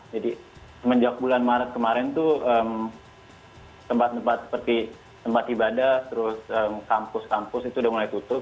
jadi semenjak bulan maret kemarin tuh tempat tempat seperti tempat ibadah terus kampus kampus itu udah mulai tutup